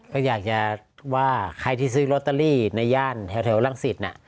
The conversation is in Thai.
ก็อยากจะว่าใครที่ซื้อลอตเตอรี่ในย่านแถวรังสิต